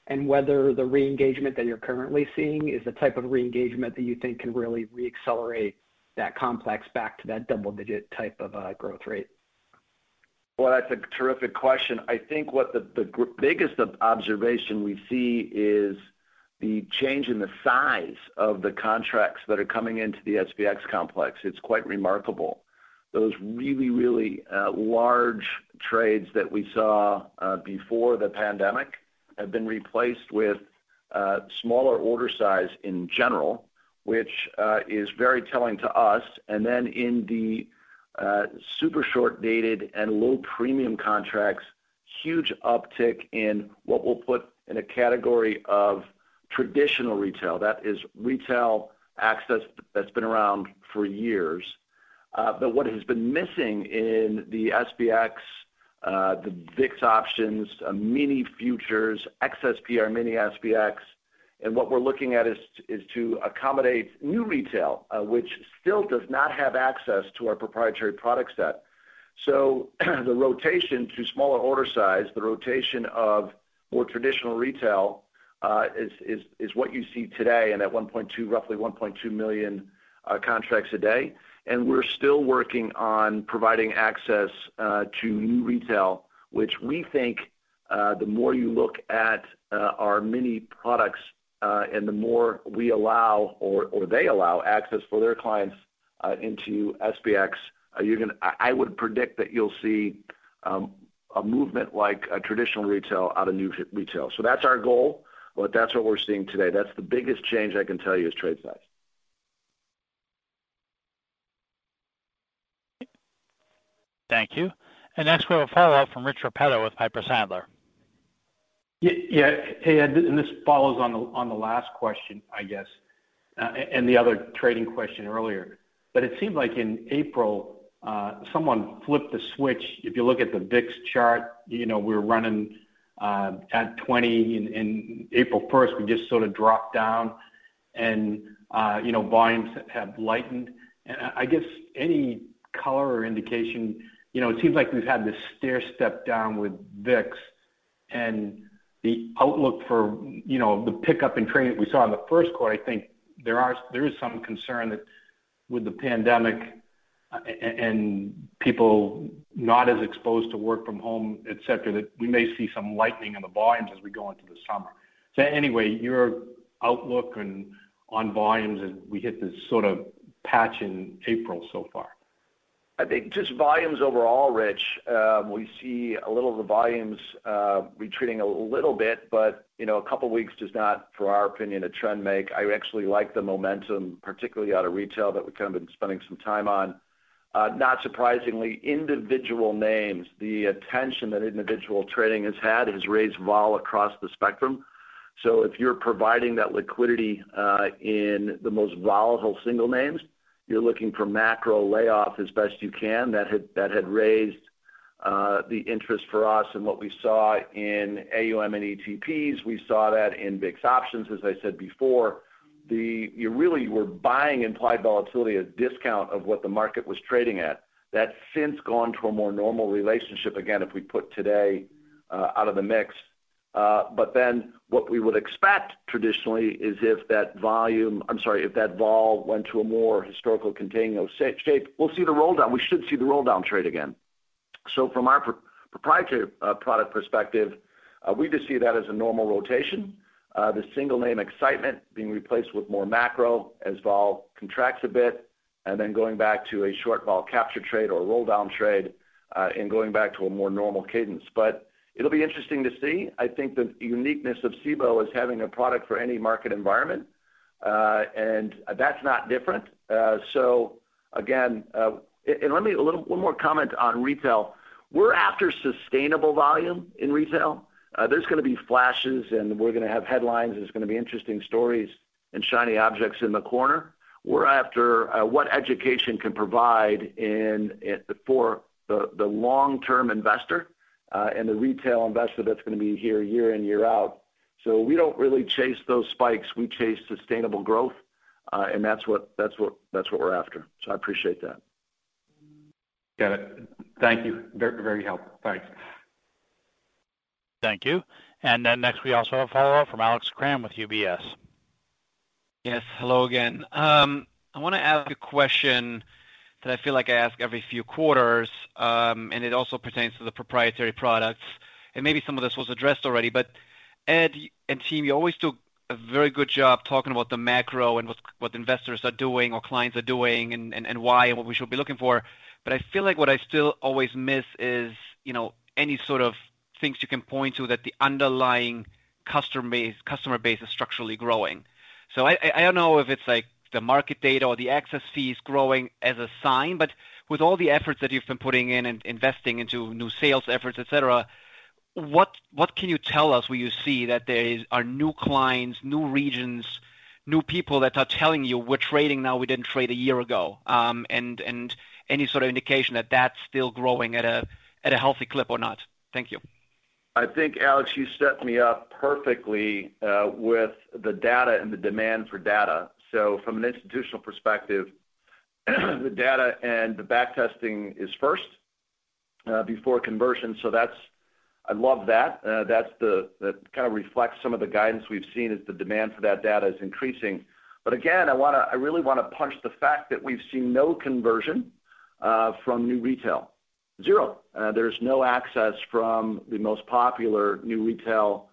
and whether the re-engagement that you're currently seeing is the type of re-engagement that you think can really re-accelerate that complex back to that double-digit type of growth rate. Well, that's a terrific question. I think what the biggest observation we see is the change in the size of the contracts that are coming into the SPX complex. It's quite remarkable. Those really, really large trades that we saw before the pandemic have been replaced with smaller order size in general, which is very telling to us. In the super short-dated and low premium contracts, huge uptick in what we'll put in a category of traditional retail. That is retail access that's been around for years. What has been missing in the SPX, the VIX options, Mini futures, XSP or Mini SPX, and what we're looking at is to accommodate new retail which still does not have access to our proprietary product set. The rotation to smaller order size, the rotation of more traditional retail, is what you see today, and at roughly 1.2 million contracts a day. We're still working on providing access to new retail, which we think the more you look at our mini products, and the more we allow or they allow access for their clients into SPX, I would predict that you'll see a movement like a traditional retail out of new retail. That's our goal, but that's what we're seeing today. That's the biggest change I can tell you is trade size. Thank you. Next we have a follow-up from Rich Repetto with Piper Sandler. Yeah. Hey, Ed, this follows on the last question, I guess, and the other trading question earlier. It seemed like in April, someone flipped the switch. If you look at the VIX chart, we were running at 20, and April 1st, we just sort of dropped down and volumes have lightened. I guess any color or indication, it seems like we've had this stairstep down with VIX and the outlook for the pickup in trading that we saw in the first quarter. I think there is some concern that with the pandemic and people not as exposed to work from home, et cetera, that we may see some lightening in the volumes as we go into the summer. Anyway, your outlook on volumes as we hit this sort of patch in April so far. I think just volumes overall, Rich. We see a little of the volumes retreating a little bit. A couple of weeks does not, for our opinion, a trend make. I actually like the momentum, particularly out of retail that we've kind of been spending some time on. Not surprisingly, individual names, the attention that individual trading has had has raised vol across the spectrum. If you're providing that liquidity in the most volatile single names, you're looking for macro layoff as best you can. That had raised the interest for us and what we saw in AUM and ETPs. We saw that in VIX options, as I said before. You really were buying implied volatility at a discount of what the market was trading at. That's since gone to a more normal relationship again, if we put today out of the mix. What we would expect traditionally is if that vol went to a more historical contango shape, we'll see the rolldown. We should see the rolldown trade again. From our proprietary product perspective, we just see that as a normal rotation. The single name excitement being replaced with more macro as vol contracts a bit, and then going back to a short vol capture trade or a rolldown trade, and going back to a more normal cadence. It'll be interesting to see. I think the uniqueness of Cboe is having a product for any market environment, and that's not different. One more comment on retail. We're after sustainable volume in retail. There's going to be flashes and we're going to have headlines, there's going to be interesting stories and shiny objects in the corner. We're after what education can provide for the long-term investor, and the retail investor that's going to be here year in, year out. We don't really chase those spikes. We chase sustainable growth, and that's what we're after. I appreciate that. Got it. Thank you. Very helpful. Thanks. Thank you. Next we also have a follow-up from Alex Kramm with UBS. Yes. Hello again. I want to ask a question that I feel like I ask every few quarters, and it also pertains to the proprietary products. Maybe some of this was addressed already, but Ed and team, you always do a very good job talking about the macro and what investors are doing or clients are doing and why, and what we should be looking for. I feel like what I still always miss is any sort of things you can point to that the underlying customer base is structurally growing. I don't know if it's like the market data or the access fees growing as a sign, but with all the efforts that you've been putting in and investing into new sales efforts, et cetera, what can you tell us where you see that there are new clients, new regions, new people that are telling you, "We're trading now, we didn't trade a year ago"? And any sort of indication that's still growing at a healthy clip or not? Thank you. I think, Alex, you set me up perfectly with the data and the demand for data. From an institutional perspective, the data and the back testing is first before conversion. I love that. That kind of reflects some of the guidance we've seen as the demand for that data is increasing. Again, I really want to punch the fact that we've seen no conversion from new retail. Zero. There's no access from the most popular new retail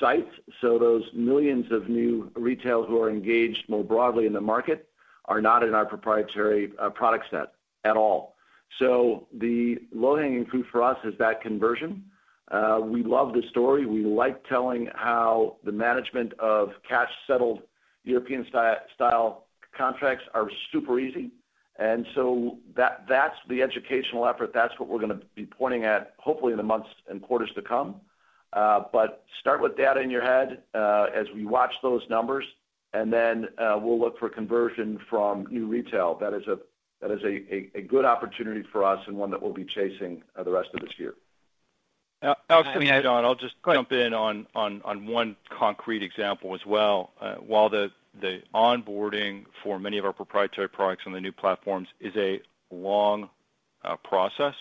sites. Those millions of new retails who are engaged more broadly in the market are not in our proprietary product set at all. The low-hanging fruit for us is that conversion. We love the story. We like telling how the management of cash-settled European style contracts are super easy, and so that's the educational effort. That's what we're going to be pointing at, hopefully in the months and quarters to come. Start with data in your head as we watch those numbers, and then we'll look for conversion from new retail. That is a good opportunity for us, and one that we'll be chasing the rest of this year. Alex, it's John. Go ahead. jump in on one concrete example as well. While the onboarding for many of our proprietary products on the new platforms is a long process,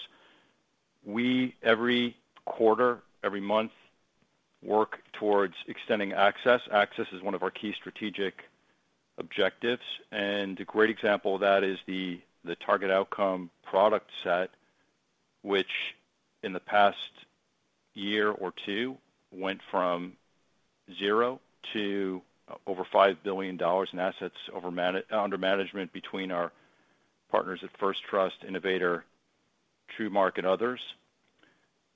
we, every quarter, every month, work towards extending access. Access is one of our key strategic objectives, and a great example of that is the target outcome product set, which in the past year or two, went from zero to over $5 billion in assets under management between our partners at First Trust, Innovator, TrueMark, and others.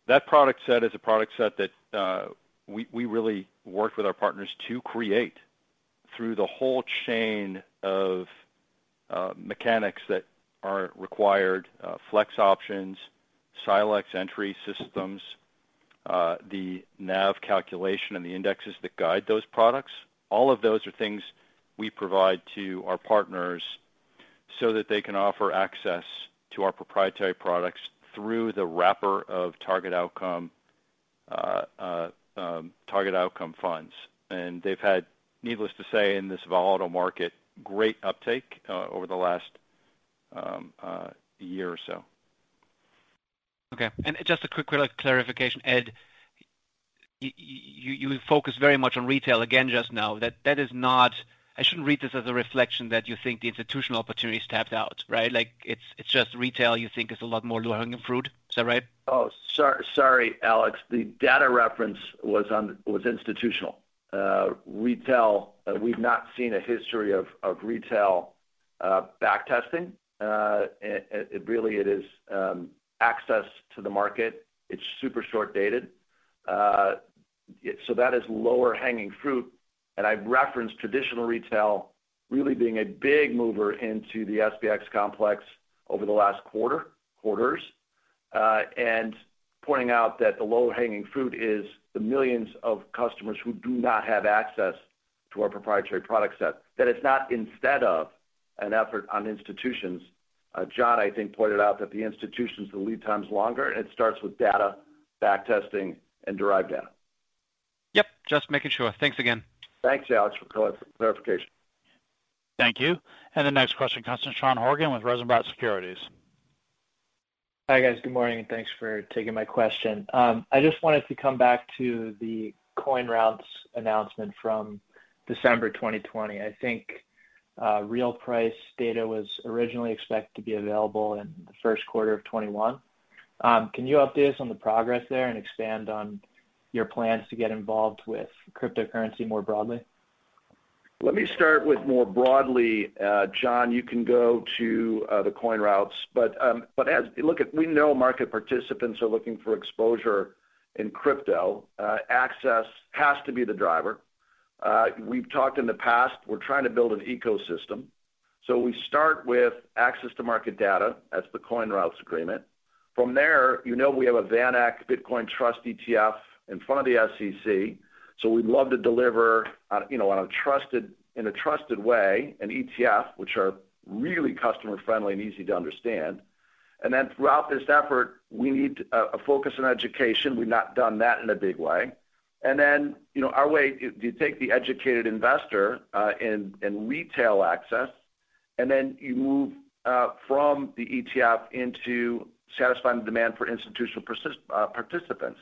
That product set is a product set that we really worked with our partners to create through the whole chain of mechanics that are required. FLEX options, Silexx entry systems, the NAV calculation, and the Indexes that guide those products. All of those are things we provide to our partners so that they can offer access to our proprietary products through the wrapper of target outcome funds. They've had, needless to say, in this volatile market, great uptake over the last year or so. Okay. Just a quick clarification, Ed. You focused very much on retail again just now. I shouldn't read this as a reflection that you think the institutional opportunity is tapped out, right? Like it's just retail you think is a lot more low-hanging fruit. Is that right? Sorry, Alex. The data reference was institutional. Retail, we've not seen a history of retail back testing. Really it is access to the market. It's super short-dated. That is lower-hanging fruit, and I've referenced traditional retail really being a big mover into the SPX complex over the last quarters. Pointing out that the low-hanging fruit is the millions of customers who do not have access to our proprietary product set. That it's not instead of. An effort on institutions. John, I think, pointed out that the institutions, the lead time's longer. It starts with data back testing and derived data. Yep, just making sure. Thanks again. Thanks, Alex, for clarification. Thank you. The next question comes from Sean Horgan with Rosenblatt Securities. Hi, guys. Good morning, and thanks for taking my question. I just wanted to come back to the CoinRoutes announcement from December 2020. I think real price data was originally expected to be available in the first quarter of 2021. Can you update us on the progress there and expand on your plans to get involved with cryptocurrency more broadly? Let me start with more broadly, John. You can go to the CoinRoutes. We know market participants are looking for exposure in crypto. Access has to be the driver. We've talked in the past, we're trying to build an ecosystem. We start with access to market data. That's the CoinRoutes agreement. From there, you know we have a VanEck Bitcoin Trust ETF in front of the SEC, we'd love to deliver in a trusted way an ETF, which are really customer friendly and easy to understand. Throughout this effort, we need a focus on education. We've not done that in a big way. Our way, you take the educated investor in retail access, and then you move from the ETF into satisfying the demand for institutional participants.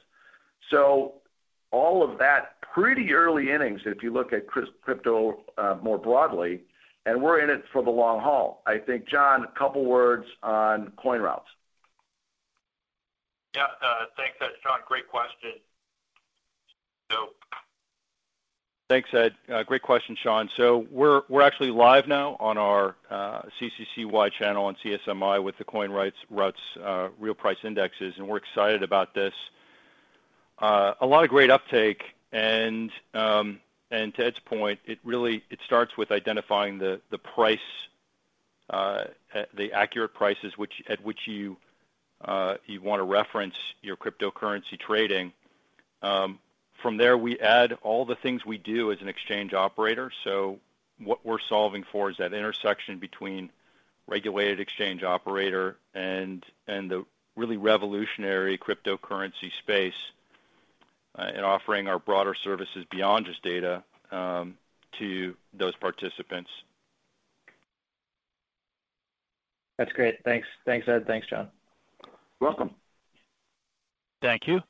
All of that, pretty early innings if you look at crypto more broadly, and we're in it for the long haul. I think, John, a couple words on CoinRoutes. Yeah, thanks, Ed. Sean, great question. Thanks, Ed. Great question, Sean. We're actually live now on our CCCY channel on CSMI with the CoinRoutes RealPrice Indexes, and we're excited about this. A lot of great uptake and to Ed's point, it starts with identifying the accurate prices at which you want to reference your cryptocurrency trading. From there, we add all the things we do as an exchange operator. What we're solving for is that intersection between regulated exchange operator and the really revolutionary cryptocurrency space, and offering our broader services beyond just data to those participants. That's great. Thanks. Thanks, Ed. Thanks, John. Welcome. Thank you.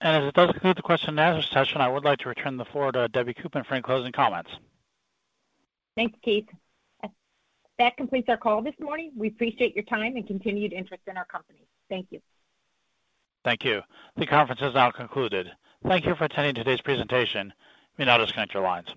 As it does conclude the question and answer session, I would like to return the floor to Deborah Koopman for any closing comments. Thanks, Keith. That completes our call this morning. We appreciate your time and continued interest in our company. Thank you. Thank you. The conference is now concluded. Thank you for attending today's presentation. You may now disconnect your lines.